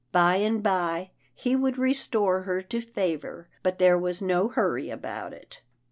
By and by, he would restore her to favour, but there was no hurry about it.